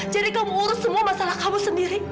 jadi kamu urus semua masalah kamu sendiri